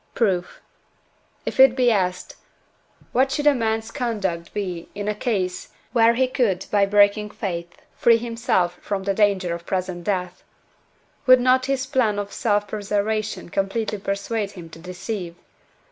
Proof. If it be asked: What should a man's conduct be in a case where he could by breaking faith free himself from the danger of present death? Would not his plan of self preservation completely persuade him to deceive?